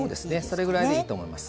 それぐらいでいいと思います。